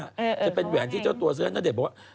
จะเป็นแหวนที่เจ้าตัวซื้อณเดชน์บอกว่า